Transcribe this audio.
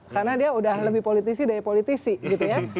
karena dia udah lebih politisi dari politisi